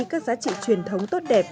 các giá trị truyền thống tốt đẹp